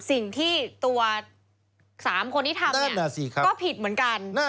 สิ่งที่ตัว๓คนที่ทำเนี่ยก็ผิดเหมือนกันถูกมั้ยฮะ